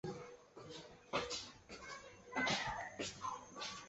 筱原爱实是出身于日本东京都的演员。